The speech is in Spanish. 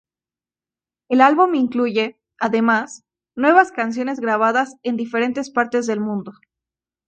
El álbum incluye, además, nuevas canciones grabadas en diferentes partes del mundo.